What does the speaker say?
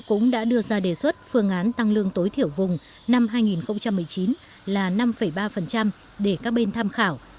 cũng đã đưa ra đề xuất phương án tăng lương tối thiểu vùng năm hai nghìn một mươi chín là năm ba để các bên tham khảo